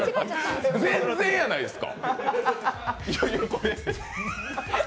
全然やないですか。